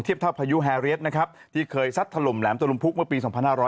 เท่าพายุแฮเรียสนะครับที่เคยซัดถล่มแหลมตะลุมพุกเมื่อปี๒๕๖๐